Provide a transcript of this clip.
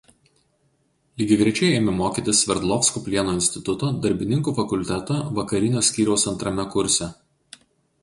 Lygiagrečiai ėmė mokytis Sverdlovsko plieno instituto darbininkų fakulteto vakarinio skyriaus antrame kurse.